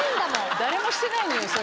誰もしてないのよそれ。